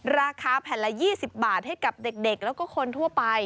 ราคาแผ่นละ๒๐บาทให้กับเด็กแล้วก็คนทั่วไป